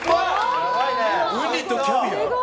ウニとキャビア？